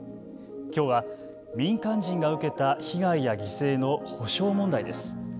きょうは、民間人が受けた被害や犠牲の補償問題です。